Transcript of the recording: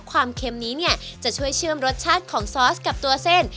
เค็มนี้เนี่ยจะช่วยเชื่อมรสชาติของซอสกับตัวเส้น